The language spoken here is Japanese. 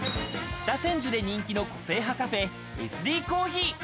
北千住で人気の個性派カフェ・エスディーコーヒー。